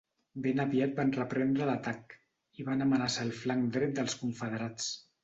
Ben aviat van reprendre l'atac i van amenaçar el flanc dret dels confederats.